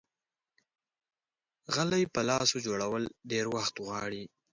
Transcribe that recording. غلۍ په لاسو جوړول ډېر وخت غواړي.